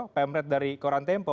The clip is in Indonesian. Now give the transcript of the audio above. pemret dari korantempo